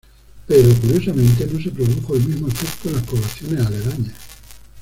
Pero, curiosamente, no se produjo el mismo efecto en las poblaciones aledañas.